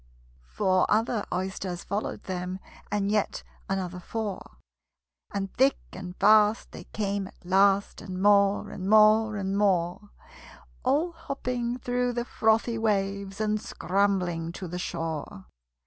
Four other Oysters followed them, And yet another four; And thick and fast they came at last, And more, and more, and more All hopping through the frothy waves, And scrambling to the shore.